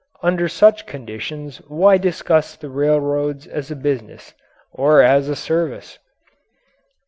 Under such conditions why discuss the railroads as a business? Or as a service?